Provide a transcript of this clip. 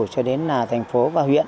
cho đến là thành phố